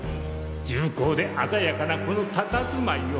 重厚で鮮やかなこの佇まいを。